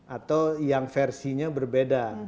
atau yang versinya berbeda